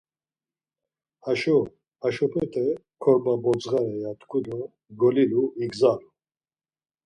Haşo haşopete korba bodzğare ya tku do golilu igzalu.